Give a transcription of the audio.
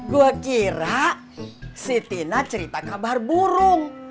gue kira si tina cerita kabar burung